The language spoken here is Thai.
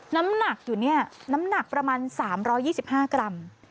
น้ำหนักอยู่เนี่ยน้ำหนักประมาณ๓๒๕กรัม